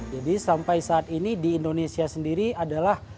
jadi sampai saat ini di indonesia sendiri adalah